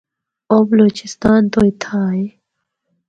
او بلوچستان تو اِتھا آئے۔